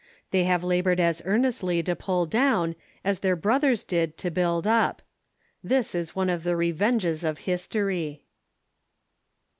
Thej have la bored as earnestly to pull down as their brothers did to build up. This is one of the revenges of history.